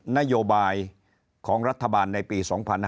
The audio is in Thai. นโยบายของรัฐบาลในปี๒๕๕๙